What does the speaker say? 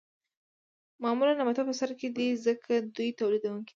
معمولاً نباتات په سر کې دي ځکه دوی تولیدونکي دي